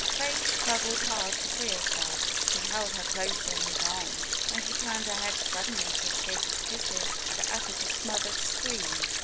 Faith struggled hard to free herself, but he held her closer in his arms. Then she turned her head suddenly to escape his kisses, and uttered a smothered scream.